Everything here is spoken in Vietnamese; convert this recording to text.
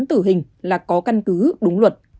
tử hình là có căn cứ đúng luật